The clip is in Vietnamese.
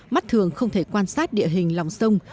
mắt thường không thể quan sát địa hình lòng sông